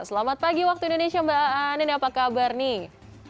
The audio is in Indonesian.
selamat pagi waktu indonesia mbak anin apa kabar nih